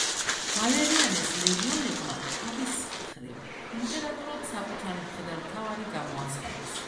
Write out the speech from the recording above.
ვალერიანეს ლეგიონებმა, თავის მხრივ, იმპერატორად საკუთარი მხედართმთავარი გამოაცხადეს.